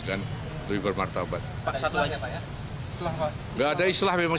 intinya ada munaslub hari ini